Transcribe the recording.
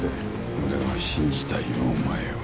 俺は信じたいよお前を。